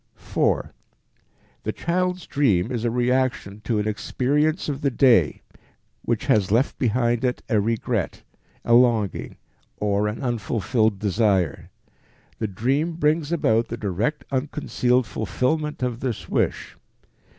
4. The child's dream is a reaction to an experience of the day, which has left behind it a regret, a longing or an unfulfilled desire. _The dream brings about the direct unconcealed fulfillment of this wish.